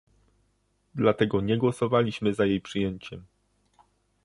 Dlatego nie głosowaliśmy za jej przyjęciem